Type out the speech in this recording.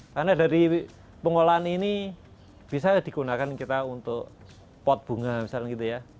karena dari pengolahan ini bisa digunakan kita untuk pot bunga misalnya gitu ya